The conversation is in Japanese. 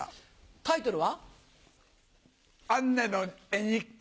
タイトルは？